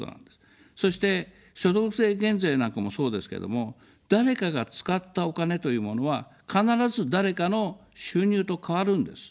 そして所得税減税なんかもそうですけども、誰かが使ったお金というものは、必ず誰かの収入と変わるんです。